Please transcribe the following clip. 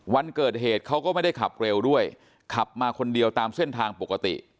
วันเกิดเหตุเขาก็ไม่ได้ขับเร็วด้วยขับมาคนเดียวตามเส้นทางปกติ